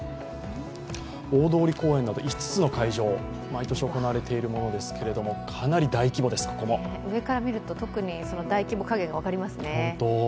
大通公園など５つの会場、毎年行われているものですけれども、上から見ると特に大規模加減が分かりますね。